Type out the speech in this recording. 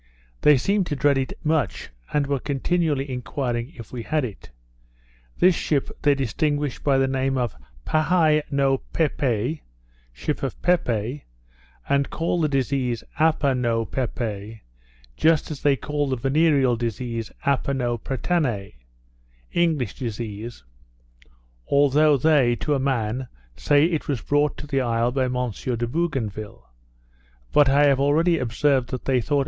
They seemed to dread it much, and were continually enquiring if we had it. This ship they distinguished by the name of Pahai no Pep pe (ship of Peppe), and called the disease Apa no Pep pe, just as they call the venereal disease Apa no Pretane (English disease), though they, to a man, say it was brought to the isle by M. de Bougainville; but I have already observed that they thought M.